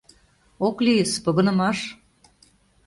— Ок лийыс: погынымаш...